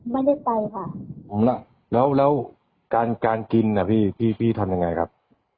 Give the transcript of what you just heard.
ไม่ได้ไปค่ะแล้วแล้วการการกินน่ะพี่พี่ทำยังไงครับ